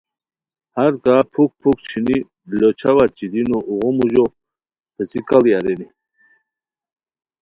ہر کا پُھک پُھک چھینی لوچھاوا چیدینو اوغو موژو پیڅھیکاڑی ارینی